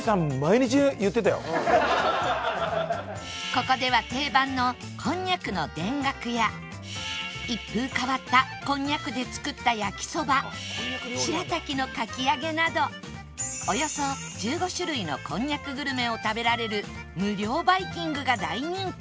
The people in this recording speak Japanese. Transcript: ここでは定番のこんにゃくの田楽や一風変わったこんにゃくで作った焼きそばしらたきのかき揚げなどおよそ１５種類のこんにゃくグルメを食べられる無料バイキングが大人気